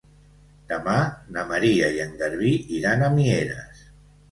Demà na Maria i en Garbí iran a Mieres.